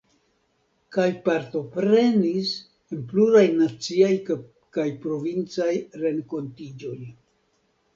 Kaj partoprenis en pluraj naciaj kaj provincaj renkontiĝoj.